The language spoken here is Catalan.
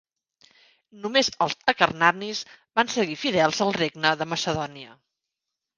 Només els acarnanis van seguir fidels al Regne de Macedònia.